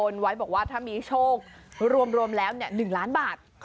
ถ้ามีโชครวมแล้ว๑ล้านบาท